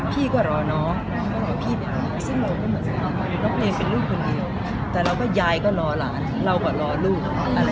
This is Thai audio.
พี่ก็ร้อน้องก็ร้อนพี่แบบนี้ก็เหมือนกันตัวเลี้ยงเป็นลูกคนเดียวแต่แล้วก็ยายก็ร้อนหลานเราก็รอลูก